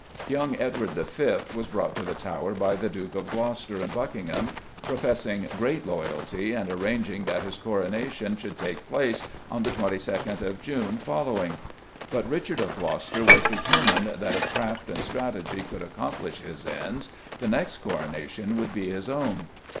Young Edward V. was brought to the Tower by the Dukes of Gloucester and Buckingham, professing great loyalty and arranging that his coronation should take place on the 22nd of June following. But Richard of Gloucester was determined that if craft and strategy could accomplish his ends the next coronation would be his own.